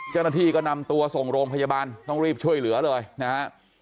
เจ้าหน้าที่ก็นำตัวส่งโรงพยาบาลต้องรีบช่วยเหลือเลยนะฮะ